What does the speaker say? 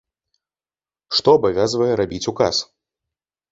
Што абавязвае рабіць ўказ?